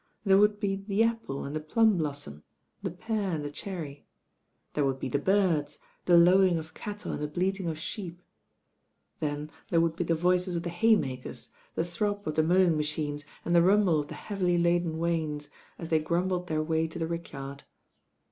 There would be the apple and the plum blossom, the pear and the cherry. There would be the birds, the lowing of cattle and the bleating of sheep. Then there would be the voices of the haymakers, the throb of the mowing machines and the rumble of the heavily laden wains, as they grumbled their way to the rick yard.